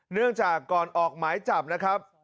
เนื่องจากก่อนออกหมายจับนะครับ